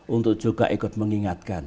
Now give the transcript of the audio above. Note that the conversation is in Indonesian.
untuk juga ikut mengingatkan